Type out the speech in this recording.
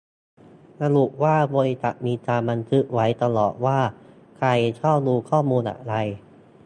ระบุว่าบริษัทมีการบันทึกไว้ตลอดว่าใครเข้าดูข้อมูลอะไร